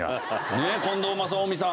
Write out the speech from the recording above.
ねえ近藤正臣さん。